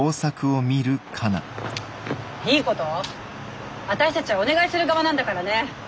いいこと私たちはお願いする側なんだからね。